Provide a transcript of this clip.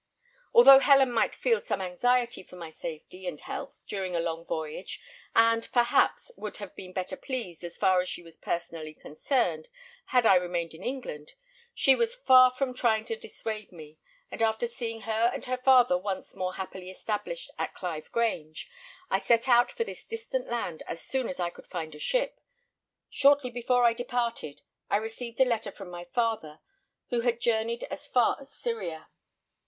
Although Helen might feel some anxiety for my safety and health during a long voyage, and, perhaps, would have been better pleased, as far as she was personally concerned, had I remained in England, she was far from trying to dissuade me; and after seeing her and her father once more happily established at Clive Grange, I set out for this distant land as soon as I could find a ship. Shortly before I departed, I received a letter from my father, who had journeyed as far as Syria.